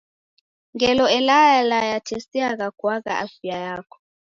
Ngelo elala yatesiagha kuagha afia yako.